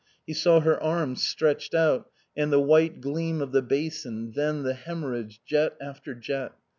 He saw her arms stretched out, and the white gleam of the basin, then, the haemorrhage, jet after jet.